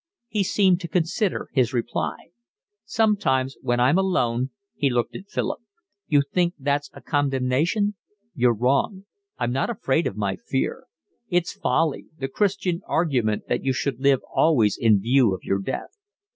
He seemed to consider his reply. "Sometimes, when I'm alone." He looked at Philip. "You think that's a condemnation? You're wrong. I'm not afraid of my fear. It's folly, the Christian argument that you should live always in view of your death.